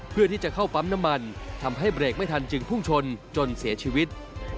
เพื่อที่จะเข้าปั๊มน้ำมันทำให้เบรกไม่ทันจึงพุ่งชนจนเสียชีวิต